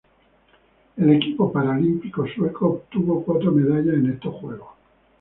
El equipo paralímpico sueco obtuvo cuatro medallas en estos Juegos.